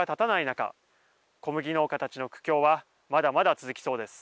中小麦農家たちの苦境はまだまだ続きそうです。